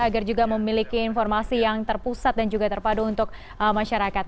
agar juga memiliki informasi yang terpusat dan juga terpadu untuk masyarakat